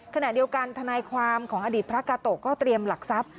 ขณะเดียวกันทนายความของอดีตพระกาโตะก็เตรียมหลักทรัพย์